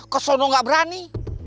kesana nggak berani